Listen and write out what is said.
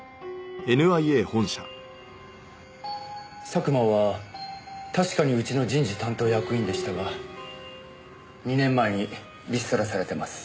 佐久間は確かにうちの人事担当役員でしたが２年前にリストラされてます。